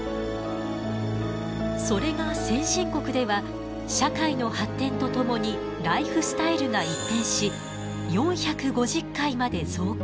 それが先進国では社会の発展とともにライフスタイルが一変し４５０回まで増加。